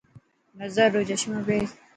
نظر رو چشمو پير.